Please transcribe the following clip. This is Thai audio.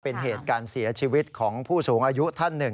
เป็นเหตุการณ์เสียชีวิตของผู้สูงอายุท่านหนึ่ง